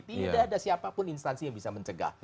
tidak ada siapa pun instansi yang bisa mencegah